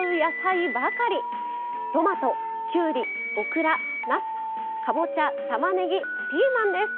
トマトきゅうりオクラなすかぼちゃたまねぎピーマンです。